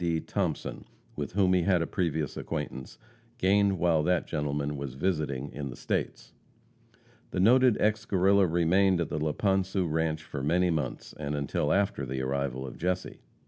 D. Thompson, with whom he had a previous acquaintance, gained while that gentleman was visiting in the States. The noted ex Guerrilla remained at the Laponsu ranche for many months, and until after the arrival of Jesse.